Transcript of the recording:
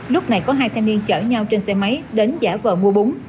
lúc này có hai thanh niên chở nhau trên xe máy đến giả vợ mua bún